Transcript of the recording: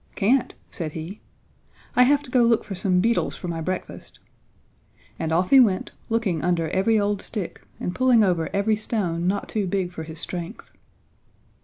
"Can't," said he. "I have to go look for some beetles for my breakfast," and off he went looking under every old stick and pulling over every stone not too big for his strength.